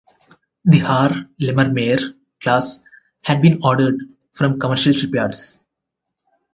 The "Haarlemmermeer" class had been ordered from commercial shipyards.